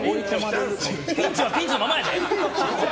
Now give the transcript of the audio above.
ピンチはピンチのままやで！